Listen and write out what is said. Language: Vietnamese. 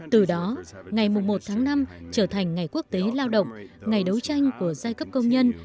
từ đó ngày một tháng năm trở thành ngày quốc tế lao động ngày đấu tranh của giai cấp công nhân